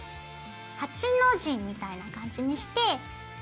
８の字みたいな感じにして。